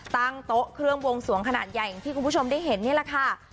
ตั้งโต๊ะเครื่องบวงสวงขนาดใหญ่อย่างที่คุณผู้ชมได้เห็นนี่แหละค่ะ